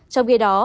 trong khi đó